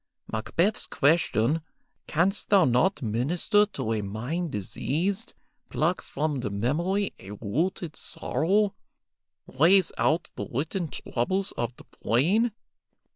Macbeth's question, 'Canst thou not minister to a mind diseased; pluck from the memory a rooted sorrow; raze out the written troubles of the brain?'